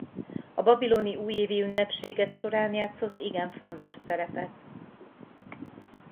A babiloni újévi ünnepségek során játszott igen fontos szerepet.